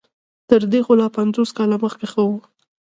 تر دې خو لا پنځوس کاله مخکې ښه وو.